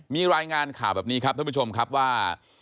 มีรายงานข่าวแบบนี้ครับท่านผู้ชมครับว่า